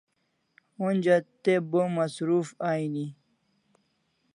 Onja te bo masruf aini